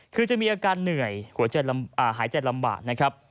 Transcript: คือจะมีอาการเหนื่อยหายใจลำบากนะครับ